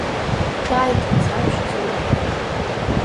Ҿааиҭит Ӡаԥшь Заурбақь.